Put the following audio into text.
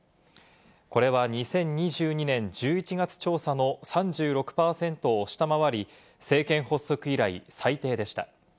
これは２０２２年１１月調査の３６％を下回り、政権発足以来、最低でした。